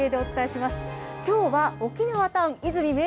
きょうは沖縄タウン・和泉明